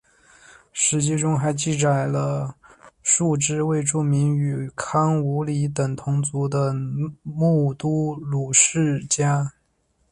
史籍中还记载了数支未注明与康武理等同族的那木都鲁氏世家。